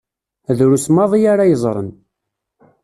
Drus maḍi ara yeẓṛen.